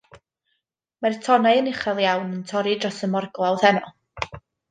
Mae'r tonnau yn uchel iawn yn torri dros y morglawdd heno.